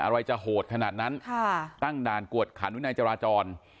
อะไรจะโหดขนาดนั้นตั้งด่านกวดขันวินัยจราจร